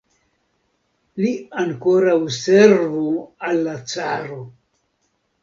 Li ankoraŭ servu al la caro!